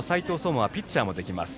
真はピッチャーもできます。